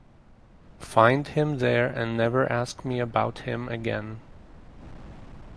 Find him there and never ask me about him again!